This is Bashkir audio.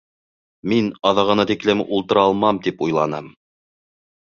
Мин аҙағына тиклем ултыра алмам тип уйланым